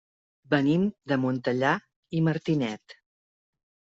Venim de Montellà i Martinet.